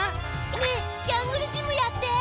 ねえジャングルジムやって！